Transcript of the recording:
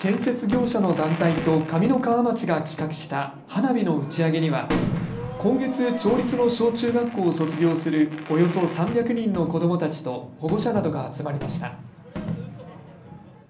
建設業者の団体と上三川町が企画した花火の打ち上げには今月、町立の小中学校を卒業するおよそ３００人の子どもたちと保護者などが集まりました。